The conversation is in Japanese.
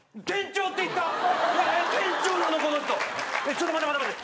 ちょっと待って待って。